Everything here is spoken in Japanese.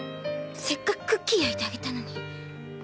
せっかくクッキー焼いてあげたのに